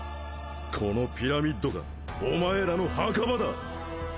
このピラミッドがお前らの墓場だ！